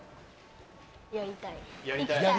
やりたい。